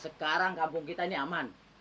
sekarang kampung kita ini aman